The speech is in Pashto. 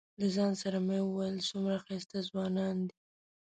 له ځان سره مې ویل څومره ښایسته ځوانان دي.